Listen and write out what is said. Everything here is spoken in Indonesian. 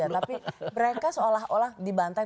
ya tapi mereka seolah olah dibantai